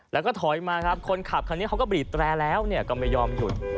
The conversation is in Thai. แล้วก็ถอยมาครับคนขับคันนี้เขาก็บีบแตรแล้วก็ไม่ยอมหยุด